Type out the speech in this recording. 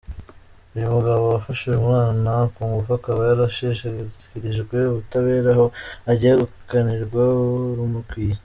Uyu mugabo wafashe uyu mwana ku ngufu akaba yarashikirijwe ubutabera aho agiye gukanirwa urumukwiye.